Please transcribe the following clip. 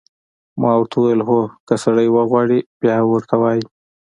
ما ورته وویل: هو، که سړی وغواړي، بیا ورته وایي.